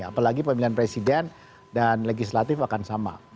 apalagi pemilihan presiden dan legislatif akan sama